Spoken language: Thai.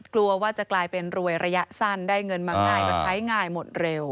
กลัวว่าจะกลายเป็นรวยระยะสั้นได้เงินมาง่ายก็ใช้ง่ายหมดเร็ว